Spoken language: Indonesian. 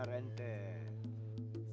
ah yang bener ente